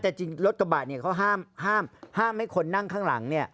แต่จริงรถกระบะเขาห้ามให้คนนั่งข้างหลัง